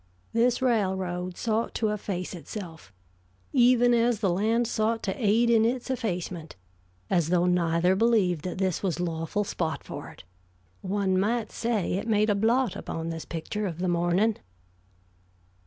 This railroad sought to efface itself, even as the land sought to aid in its effacement, as though neither believed that this was lawful spot for it. One might say it made a blot upon this picture of the morning.